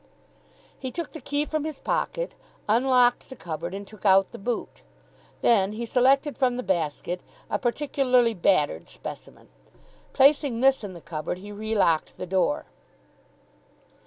He took the key from his pocket, unlocked the cupboard, and took out the boot. Then he selected from the basket a particularly battered specimen. Placing this in the cupboard, he re locked the door.